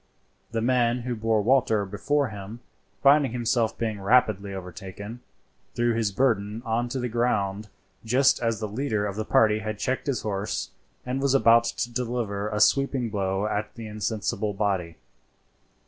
The man who bore Walter before him, finding himself being rapidly overtaken, threw his burden on to the ground just as the leader of the party had checked his horse and was about to deliver a sweeping blow at the insensible body.